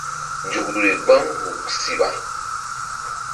Nzukri gbam huk siɓa.